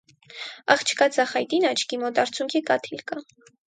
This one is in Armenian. Աղջկա ձախ այտին՝ աչքի մոտ, արցունքի կաթիլ կա։